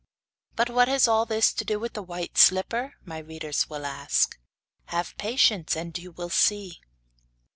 But what has all this to do with the White Slipper? my readers will ask. Have patience, and you will see.